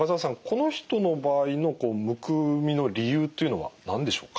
この人の場合のむくみの理由というのは何でしょうか？